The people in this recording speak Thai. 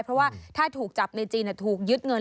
เพราะว่าถ้าถูกจับในจีนถูกยึดเงิน